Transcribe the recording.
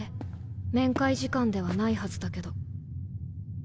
面会時間ではないはずだけど。